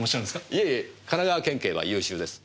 いえいえ神奈川県警は優秀です。